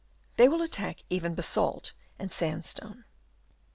They will attack even basalt and sandstone.